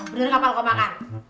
beneran apa lu mau makan